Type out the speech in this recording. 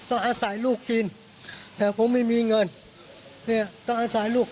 อาศัยลูกกินแต่ผมไม่มีเงินเนี่ยต้องอาศัยลูก